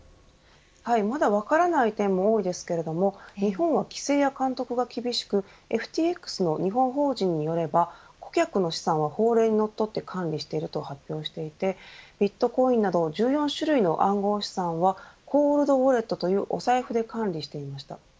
はい、まだ分からない点も多いですけれども日本は規制や監督が厳しくＦＴＸの日本法人によれば顧客の資産は法令にのっとって管理していると発表していてビットコインなど１４種類の暗号資産はコールドウォレットというお財布で管理していました。